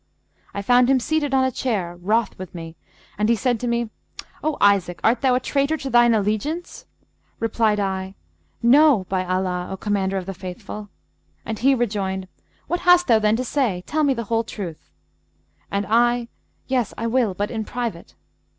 I found him seated on a chair, wroth with me, and he said to me, 'O Isaac, art thou a traitor to thine allegiance?' replied I, 'No, by Allah, O Commander of the Faithful!' and he rejoined, 'What hast thou then to say? tell me the whole truth;' and I, 'Yes, I will, but in private.'